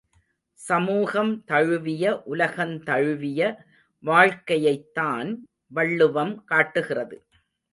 சமூகம் தழுவிய உலகந்தழுவிய வாழ்க்கையைத்தான் வள்ளுவம் காட்டுகிறது.